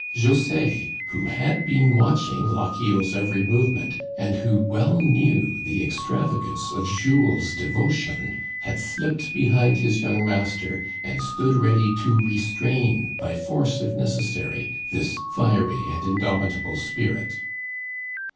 José, who had been watching LochieFs every move ment, and who well knew the extravagance of Jules's de votion, had slipped behind his young master, and stood ready to restrain, by force, if necessary, this fiery and indomitable spirit.